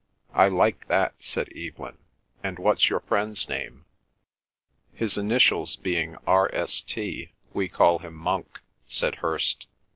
"I like that," said Evelyn. "And what's your friend's name?" "His initials being R. S. T., we call him Monk," said Hirst.